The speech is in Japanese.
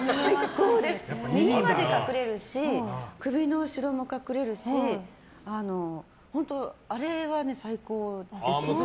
耳まで隠れるし首の後ろも隠れるしあれは最高なんです。